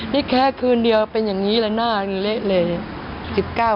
นี่แค่คืนเดียวเป็นอย่างนี้เลยหน้านี้เละเลย